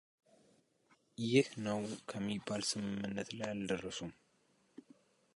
ይህ ነው ከሚባል ስምምነት ላይ አልደረሱም።